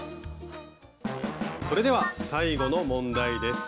それでは最後の問題です。